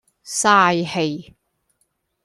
嘥氣